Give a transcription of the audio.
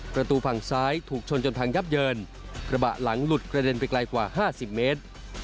ประตูฝั่งซ้ายถูกชนจนพังยับเยินกระบะหลังหลุดกระเด็นไปไกลกว่า๕๐เมตร